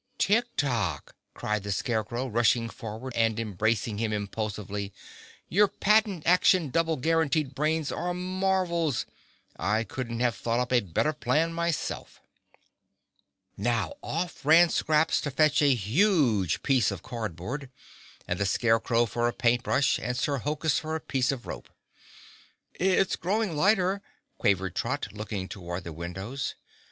"Tik Tok," cried the Scarecrow, rushing forward and embracing him impulsively, "your patent action double guaranteed brains are marvels. I couldn't have thought up a better plan myself." [Illustration: (unlabelled)] Now off ran Scraps to fetch a huge piece of cardboard, and the Scarecrow for a paint brush, and Sir Hokus for a piece of rope. "It's growing lighter," quavered Trot, looking toward the windows.